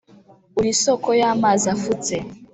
uri isoko y’amazi afutse,